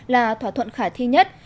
là thỏa thuận khả thi nhất